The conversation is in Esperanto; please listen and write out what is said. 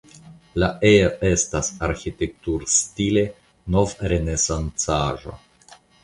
La ejo estas arĥitekturstile novrenesancaĵo.